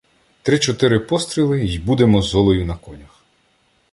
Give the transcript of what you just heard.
Три-чотири постріли — й будемо з Олею на конях.